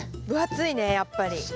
分厚いねやっぱり。